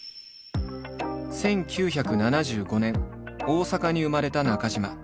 １９７５年大阪に生まれた中島。